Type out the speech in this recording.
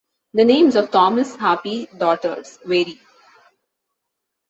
The names of Thaumas' Harpy daughters vary.